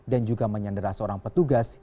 dan juga menyenderah seorang petugas